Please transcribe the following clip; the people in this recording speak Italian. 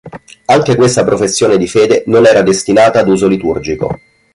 Anche questa professione di fede non era destinata ad uso liturgico.